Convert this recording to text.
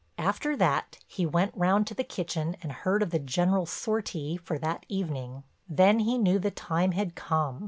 After that he went round to the kitchen and heard of the general sortie for that evening. Then he knew the time had come.